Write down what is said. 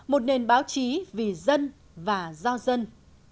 một nền báo chí vì dân và do dân